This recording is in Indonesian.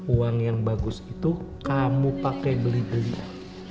uang yang bagus itu kamu pakai beli beli